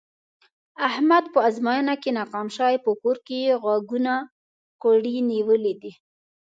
احمد په ازموینه کې ناکام شوی، په کور کې یې غوږونه کوړی نیولي دي.